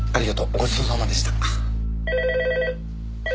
ごちそうさまでした。